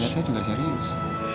mereka juga serius